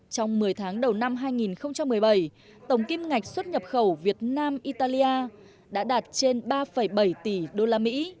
trong một mươi tháng đầu năm hai nghìn một mươi bảy tổng kim ngạch xuất nhập khẩu việt nam italia đã đạt trên ba bảy tỷ usd